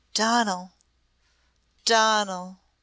"Donal! Donal!"